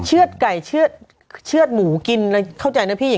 เชือดไก่เชื่อดหมูกินเข้าใจนะพี่